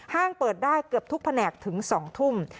เปิดได้เกือบทุกแผนกถึง๒ทุ่ม